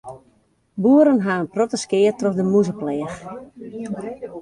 Boeren ha in protte skea troch de mûzepleach.